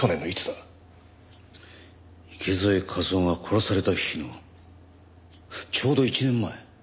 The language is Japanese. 池添一雄が殺された日のちょうど１年前。